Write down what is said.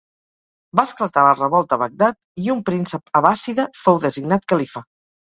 Va esclatar la revolta a Bagdad i un príncep abbàssida fou designat califa.